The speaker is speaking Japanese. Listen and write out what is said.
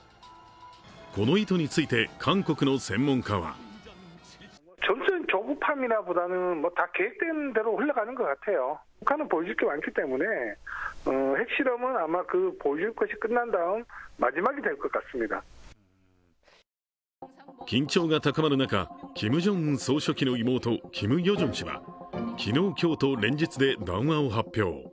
この意図について、韓国の専門家は緊張が高まる中キム・ジョンウン総書記の妹キム・ヨジョン氏は、昨日、今日と連日で談話を発表。